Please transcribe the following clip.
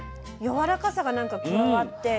やわらかさがなんか加わって。